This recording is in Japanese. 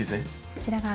こちらが。